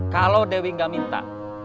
kalau dewi gak minta